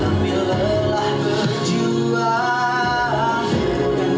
kami lelah berjuang